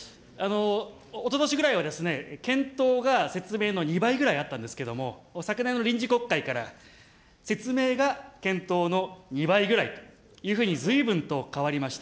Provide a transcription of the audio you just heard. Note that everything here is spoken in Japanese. おととしぐらいは検討が説明の２倍ぐらいあったんですけども、昨年の臨時国会から説明が検討の２倍ぐらいというふうにずいぶんと変わりました。